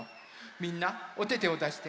みんなおててをだして。